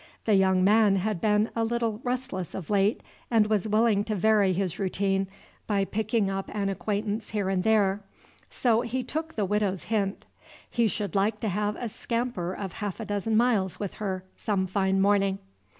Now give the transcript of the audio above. The young man had been a little restless of late, and was willing to vary his routine by picking up an acquaintance here and there. So he took the Widow's hint. He should like to have a scamper of half a dozen miles with her some fine morning.